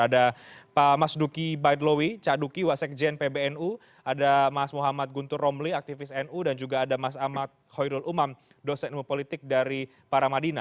ada pak mas duki baidlawi cah duki wasek jen pbnu ada mas muhammad guntur romli aktivis nu dan juga ada mas ahmad hoidul umam dosek nu politik dari paramadina